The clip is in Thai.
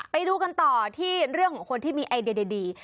ไปดูกันต่อที่เรื่องของคนที่มีไอเดียดี